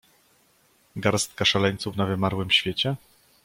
"Garstka szaleńców na wymarłym świecie?"